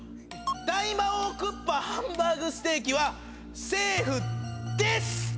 大魔王クッパ・ハンバーグステーキはセーフです！